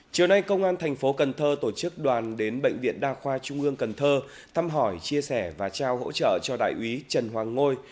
chiều nay công an tp cn tổ chức đoàn đến bệnh viện đa khoa trung ương cần thơ thăm hỏi chia sẻ và trao hỗ trợ cho đại úy trần hoàng ngôi